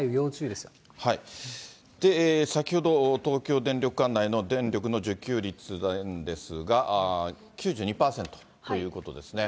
で、先ほど、東京電力管内の電力の需給率なんですが、９２％ということですね。